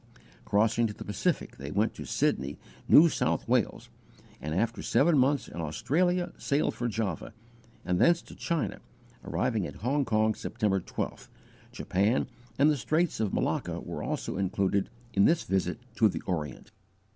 _ Crossing to the Pacific, they went to Sydney, New South Wales, and, after seven months in Australia, sailed for Java, and thence to China, arriving at Hong Kong, September 12th; Japan and the Straits of Malacca were also included in this visit to the Orient.